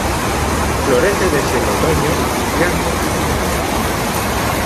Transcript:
Florece desde el otoño, invierno y primavera.